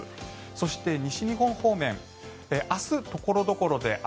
そして、西日本方面明日、所々で雨。